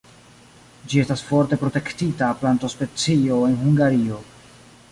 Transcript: Ĝi estas forte protektita plantospecio en Hungario.